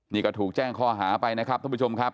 นี่ก็ถูกแจ้งข้อหาไปนะครับท่านผู้ชมครับ